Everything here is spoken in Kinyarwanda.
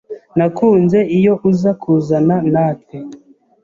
Nakunze iyo uza kuzana natwe.